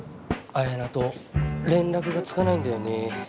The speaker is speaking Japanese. あやなと連絡がつかないんだよね。